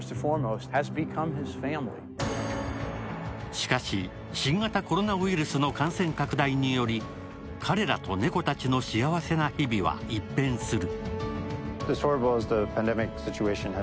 しかし新型コロナウイルスの感染拡大により彼らと猫たちの幸せな日々は一変する。